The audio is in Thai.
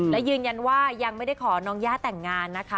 และยืนยันว่ายังไม่ได้ขอน้องย่าแต่งงานนะคะ